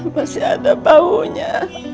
masih ada baunya